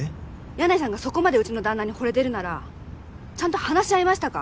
箭内さんがそこまでうちの旦那に惚れてるならちゃんと話し合いましたか？